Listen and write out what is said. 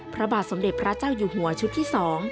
พระบาทสมเด็จพระเจ้าอยู่หัวชุดที่๒